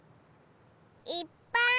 いっぱい！